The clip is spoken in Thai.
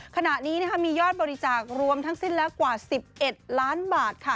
ขณะนี้มียอดบริจาครวมทั้งสิ้นแล้วกว่า๑๑ล้านบาทค่ะ